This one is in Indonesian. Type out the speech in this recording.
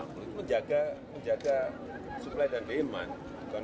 ada fasilitas pemerintah untuk mencarikan pasar ekspor